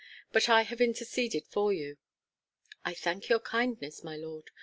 But I have interceded for you." "I thank your kindness, my lord.